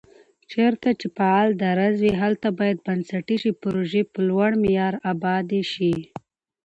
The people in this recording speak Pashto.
چېرته چې فعال درز وي، هلته باید بنسټيزې پروژي په لوړ معیار آبادې شي